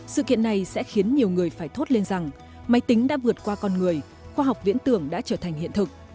sự kiện này sẽ khiến nhiều người phải thốt lên rằng máy tính đã vượt qua con người khoa học viễn tưởng đã trở thành hiện thực